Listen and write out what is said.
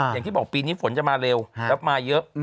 อย่างที่บอกปีนี้ฝนจะมาเร็วแล้วมาเยอะ